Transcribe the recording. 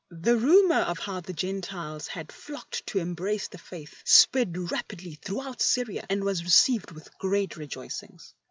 The rumour of how the Gentiles had flocked to embrace the Faith spread rapidly tlirough out Syria, and was received with great rejoic ings.